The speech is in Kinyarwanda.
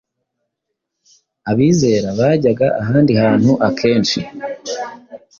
Abizera bajyaga ahandi hantu akenshi